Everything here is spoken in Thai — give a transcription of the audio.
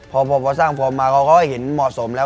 พอสร้างฟอร์มมาเขาก็เห็นเหมาะสมแล้ว